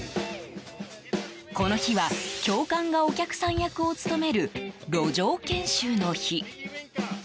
この日は教官がお客さん役を務める路上研修の日。